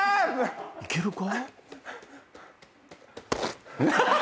いけるか？